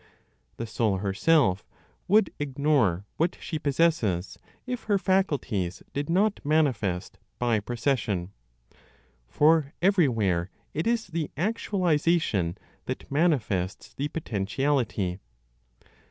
The soul herself would ignore what she possesses if her faculties did not manifest by procession, for everywhere it is the actualization that manifests the potentiality.